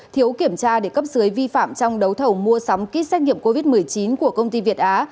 thiếu kiểm tra để cấp dưới vi phạm trong đấu thầu mua sắm kit xét nghiệm covid một mươi chín của công ty việt á